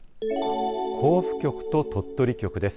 甲府局と鳥取局です。